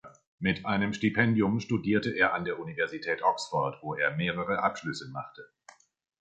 Mit einem Stipendium studierte er an der Universität Oxford, wo er mehrere Abschlüsse machte.